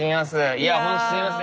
いやほんとすいません。